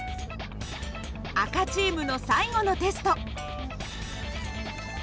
赤チームの最後のテスト。